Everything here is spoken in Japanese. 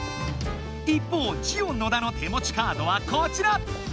一方ジオ野田の手もちカードはこちら！